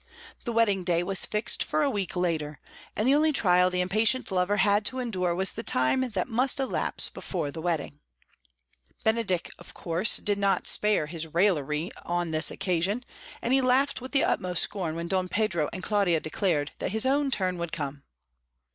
The wedding day was fixed for a week later, and the only trial the impatient young lover had to endure was the time that must elapse before the marriage. Benedick, of course, did not spare his raillery on this occasion, and he laughed with the utmost scorn when Don Pedro and Claudio declared that his own turn would come.